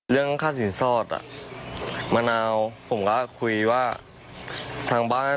เรื่องข้าสินสอดมะนาวผมก็คุยว่า